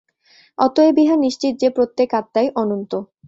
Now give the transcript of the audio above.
অতএব ইহা নিশ্চিত যে, প্রত্যেক আত্মাই অনন্ত।